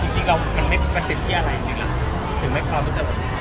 จริงเรามันติดที่อะไรจริงล่ะถึงไม่ความรู้สึกเหมือนกัน